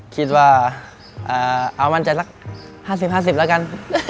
คิดว่าเอามันจะสัก๕๐๕๐แล้วกัน